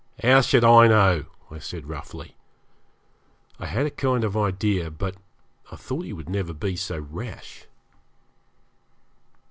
'How should I know?' I said roughly. I had a kind of idea, but I thought he would never be so rash.